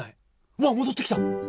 わあ戻ってきた！